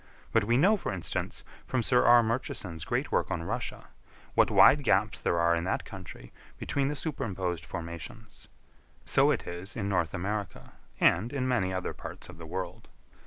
But we know, for instance, from Sir R. Murchison's great work on Russia, what wide gaps there are in that country between the superimposed formations; so it is in North America, and in many other parts of the world.